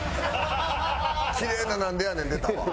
きれいな「なんでやねん」出たわ。